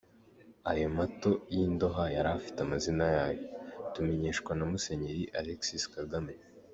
Ayo mato y’indoha yari afite amazina yayo, tumenyeshwa na Musenyeri Alexis Kagame.